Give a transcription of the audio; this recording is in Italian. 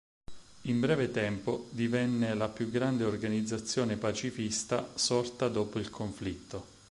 In breve tempo divenne la più grande organizzazione pacifista sorta dopo il conflitto.